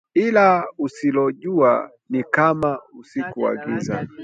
Ila usilojua ni kama usiku wa kiza